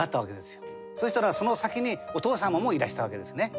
そうしたらその先にお父様もいらしたわけですね。